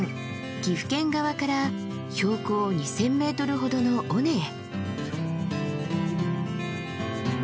岐阜県側から標高２，０００ｍほどの尾根へ。